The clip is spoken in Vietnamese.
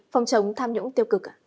phòng chống tham nhũng tiêu cực